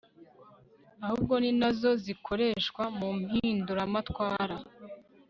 ahubwo ni na zo zikoreshwa mu mpinduramatwara